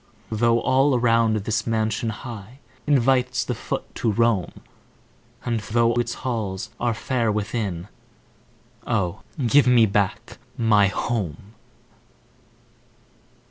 Though all around this mansion high Invites the foot to roam, And though its halls are fair within Oh, give me back my HOME!